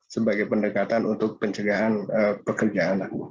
sebagai pendekatan untuk pencegahan pekerjaan